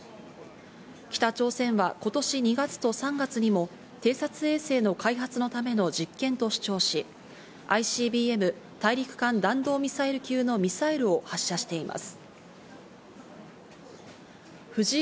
北朝鮮は今年２月と３月にも偵察衛星の開発のための実験と主張し、ＩＣＢＭ＝大陸間弾道ミサイル級のミサイルを発射しています。